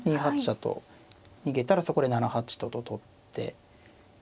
２八飛車と逃げたらそこで７八とと取って。